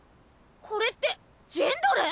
これってジェンドル！？